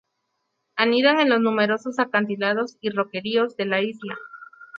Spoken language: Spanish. Anidan en los numerosos acantilados y roqueríos de la isla.